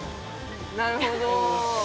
◆なるほど。